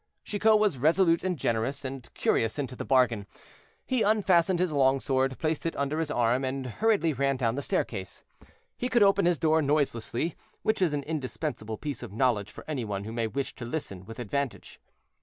Chicot was resolute and generous, and curious into the bargain; he unfastened his long sword, placed it under his arm, and hurriedly ran down the staircase. He could open his door noiselessly, which is an indispensable piece of knowledge for any one who may wish to listen with advantage.